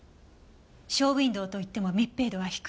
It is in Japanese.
ショーウインドーといっても密閉度は低い。